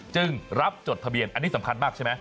จึงรับจดทะเบียนอันนี้สำคัญมากใช่ไหม